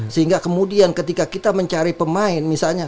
sehingga kemudian ketika kita mencari pemain misalnya